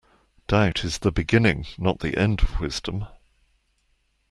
Doubt is the beginning, not the end of wisdom